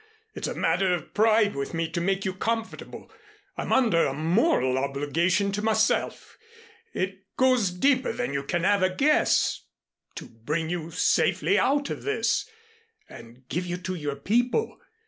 It's a matter of pride with me to make you comfortable. I'm under a moral obligation to myself it goes deeper than you can ever guess to bring you safely out of this, and give you to your people.